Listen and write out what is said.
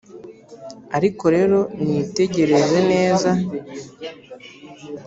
ariko rero mwitegereze neza